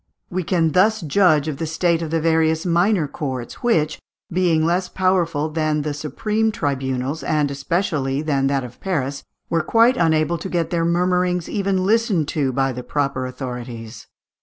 We can thus judge of the state of the various minor courts, which, being less powerful than the supreme tribunals, and especially than that of Paris, were quite unable to get their murmurings even listened to by the proper authorities.